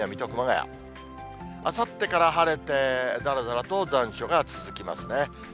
あさってから晴れて、だらだらと残暑が続きますね。